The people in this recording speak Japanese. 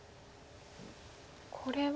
これは？